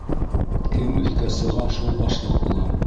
Кем өҫкә сыға, шул башлыҡ була.